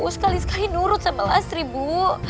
sekali sekali nurut sama nasri bu